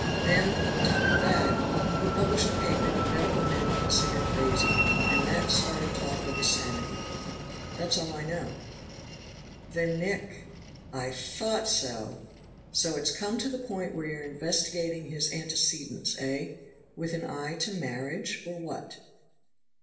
Then, on top of that, he published a paper that medical men considered crazy, and that started talk of his sanity. That's all I know." "Then Nick ." "I thought so! So it's come to the point where you're investigating his antecedents, eh? With an eye to marriage, or what?"